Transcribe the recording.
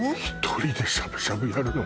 １人でしゃぶしゃぶやるの？